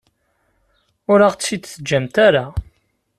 Ur aɣ-tt-id-teǧǧamt ara.